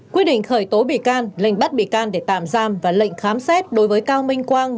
quyết định khởi tố bị can lệnh bắt bị can để tạm giam và lệnh khám xét đối với cao minh quang